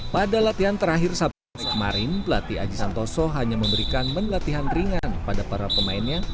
pada latihan terakhir sabtu kemarin pelatih aji santoso hanya memberikan menu latihan ringan pada para pemainnya